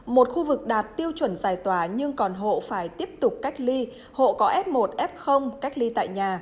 một khu vực đạt tiêu chuẩn giải tỏa nhưng còn hộ phải tiếp tục cách ly hộ có f một f cách ly tại nhà